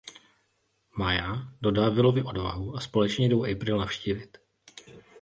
Maya dodá Willovi odvahu a společně jdou April navštívit.